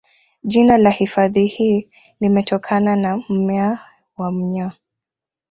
Jina la hifadhi hii limetokana na mmea wa mnyaa